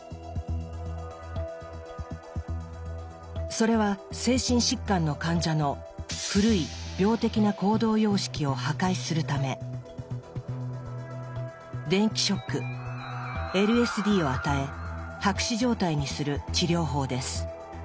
それは精神疾患の患者の「古い病的な行動様式を破壊」するため電気ショックＬＳＤを与え白紙状態にする治療法です。